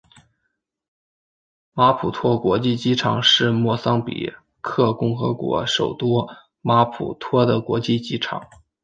马普托国际机场是莫桑比克共和国首都马普托的国际机场。